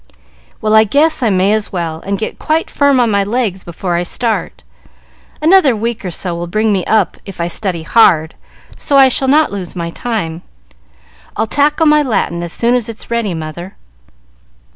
"Well, I guess I may as well, and get quite firm on my legs before I start. Another week or so will bring me up if I study hard, so I shall not lose my time. I'll tackle my Latin as soon as it's ready, mother."